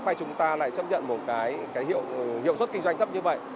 hay chúng ta lại chấp nhận một cái hiệu suất kinh doanh thấp như vậy